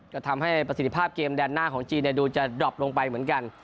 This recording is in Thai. ก็ทำให้ประสิทธิภาพเกมแดนหน้าของจีนดูจะดรอบลงไปเหมือนกัน